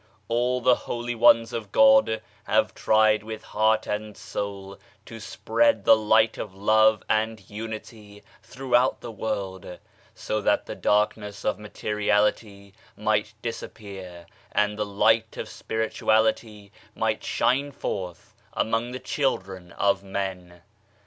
All the holy ones of God have tried with heart and soul to spread the light of Love and Unity throughout the world, so that the darkness of materiality might disappear and the Light of Spirituality might shine forth among the children of men.